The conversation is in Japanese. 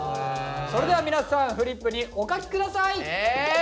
それでは皆さんフリップにお書き下さい。